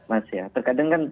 mas ya terkadang kan